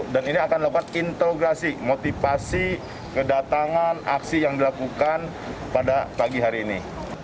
dan ini akan melakukan integrasi motivasi kedatangan aksi yang dilakukan pada pagi hari ini